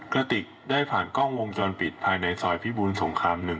กระติกได้ผ่านกล้องวงจรปิดภายในซอยพิบูลสงคราม๑